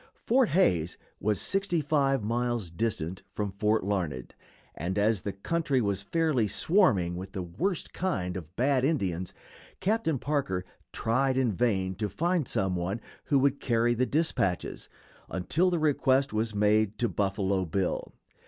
Fort Hays was sixty five miles distant from Fort Larned, and, as the country was fairly swarming with the worst kind of "bad" Indians, Captain Parker tried in vain to find some one who would carry the dispatches, until the request was made to Buffalo Bill.